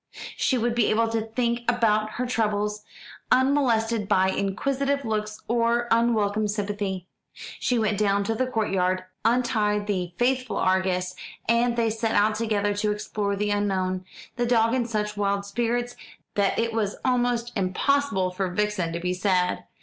She would be able to think about her troubles, unmolested by inquisitive looks or unwelcome sympathy. She went down to the court yard, untied the faithful Argus, and they set out together to explore the unknown, the dog in such wild spirits that it was almost impossible for Vixen to be sad.